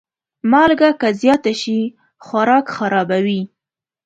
مالګه که زیاته شي، خوراک خرابوي.